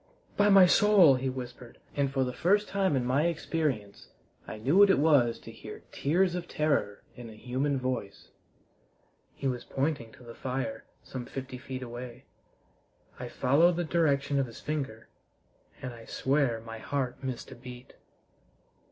By my soul!" he whispered, and for the first time in my experience I knew what it was to hear tears of terror in a human voice. He was pointing to the fire, some fifty feet away. I followed the direction of his finger, and I swear my heart missed a beat.